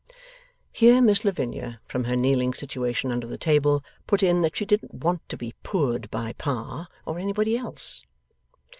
Here, Miss Lavinia, from her kneeling situation under the table, put in that she didn't want to be 'poored by pa', or anybody else.